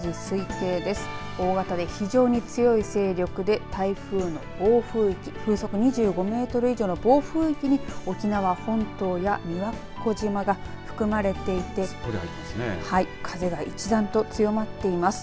大型で非常に強い勢力で台風の暴風域風速２５メートル以上の暴風域に沖縄本島や宮古島が含まれていて風が一段と強まっています。